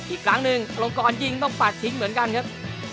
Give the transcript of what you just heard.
อีกครั้งหนึ่งอลงกรยิงต้องปัดทิ้งเหมือนกันครับ